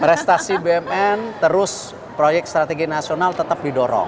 prestasi bmn terus proyek strategi nasional tetap menurun